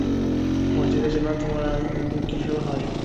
মসজিদ যেন তোমার গৃহ হয়।